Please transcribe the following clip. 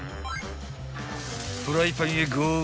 ［フライパンへゴー］